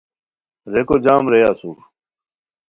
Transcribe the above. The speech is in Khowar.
ریکو جام رے اسور